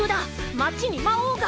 町に魔王が！